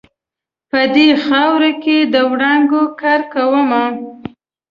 په دې خاورو کې د وړانګو کرکومه